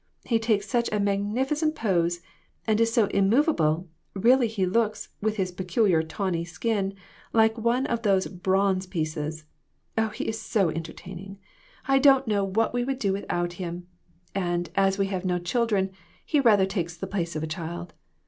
He takes such a magnificent pose and is so immovable, really he looks, with his peculiar tawny skin, like one of those bronze pieces, Oh, he ig so entertaining ! I don't know 268 WITHOUT ARE DOGS. what we would do without him ; and, as we have no children, he rather takes the place of a child.